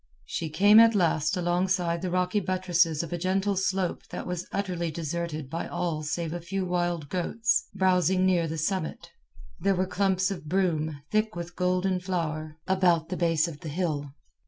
She came at last alongside the rocky buttresses of a gentle slope that was utterly deserted by all save a few wild goats browsing near the summit. There were clumps of broom, thick with golden flower, about the base of the hill.